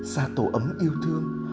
xa tổ ấm yêu thương